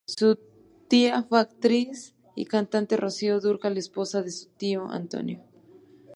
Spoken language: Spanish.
Su tía fue la actriz y cantante Rocío Dúrcal, esposa de su tío Antonio.